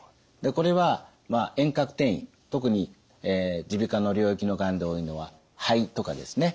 これは遠隔転移特に耳鼻科の領域のがんで多いのは肺とかですね。